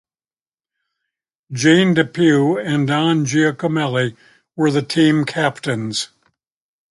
Gene Depew and Don Giacomelli were the team captains.